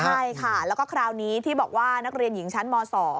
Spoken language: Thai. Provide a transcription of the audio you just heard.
ใช่ค่ะแล้วก็คราวนี้ที่บอกว่านักเรียนหญิงชั้นม๒